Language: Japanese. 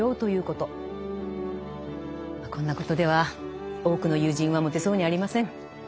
こんなことでは多くの友人は持てそうにありません。